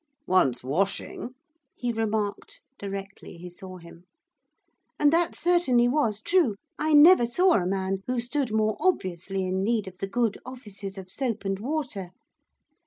'Wants washing,' he remarked, directly he saw him. And that certainly was true, I never saw a man who stood more obviously in need of the good offices of soap and water.